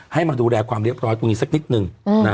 ให้มาดูแลความเรียบร้อยตรงนี้สักนิดนึง